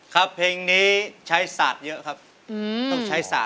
ครับเพลงนี้ใช้สัตว์เยอะครับ